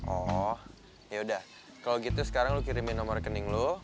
oh yaudah kalau gitu sekarang lu kirimin nomor rekening lo